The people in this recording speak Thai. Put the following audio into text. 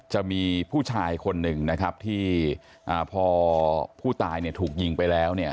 จะมีผู้ชายคนหนึ่งนะครับที่อ่าพอผู้ตายเนี่ยถูกยิงไปแล้วเนี่ย